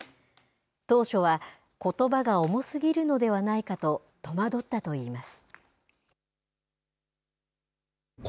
当初は、ことばが重すぎるのではないかと戸惑ったと言います。